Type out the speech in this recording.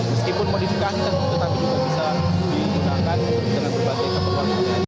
meskipun modifikasi tentu tentu juga bisa digunakan dengan berbagai keperluan